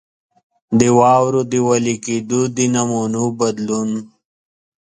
د واورو د وېلې کېدو د نمونو بدلون.